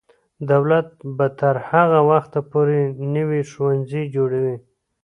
دولت به تر هغه وخته پورې نوي ښوونځي جوړوي.